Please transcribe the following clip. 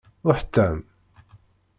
Uḥtam.